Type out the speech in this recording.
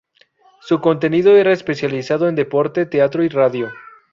Su contenido era especializado en deporte, teatro y radio.